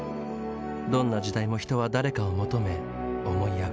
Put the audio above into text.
どんな時代も人は誰かを求め思い合う。